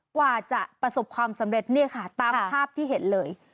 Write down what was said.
กว่าจะประสบความสำเร็จเนี่ยค่ะตามภาพที่เห็นเลย